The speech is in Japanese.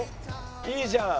いいじゃん。